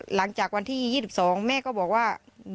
หลังจากวันที่๒๒แม่ก็บอกว่า